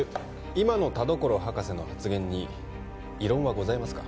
今の田所博士の発言に異論はございますか？